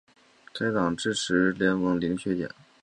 该党支持政党联盟零削减。